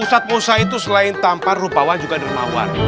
ustadz musa itu selain tampar rupawan juga dermawan